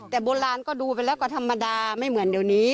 แต่โบราณก็ดูไปแล้วก็ธรรมดาไม่เหมือนเดี๋ยวนี้